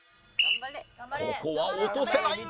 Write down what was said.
ここは落とせないが